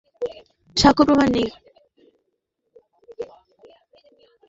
আমাকে যুক্তরাষ্ট্র থেকে তাড়ানোই তাঁর লক্ষ্য, যদিও আমার বিরুদ্ধে বিশ্বাসযোগ্য সাক্ষ্য-প্রমাণ নেই।